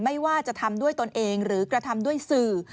ไม่ว่าจะทำด้วยตนเองหรือกระทำด้วยสื่อ